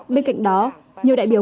bên cạnh đó nhiều đại biểu